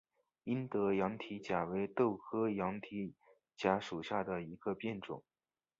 英德羊蹄甲为豆科羊蹄甲属下的一个变种。